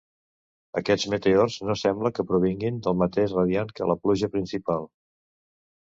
Aquests meteors no sembla que provinguin del mateix radiant que la pluja principal.